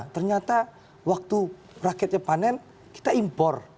ternyata waktu rakyatnya panen kita impor